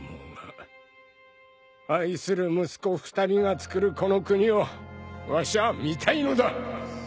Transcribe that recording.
愛する息子二人がつくるこの国をわしは見たいのだ